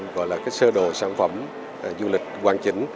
gọi là cái sơ đồ sản phẩm du lịch hoàn chỉnh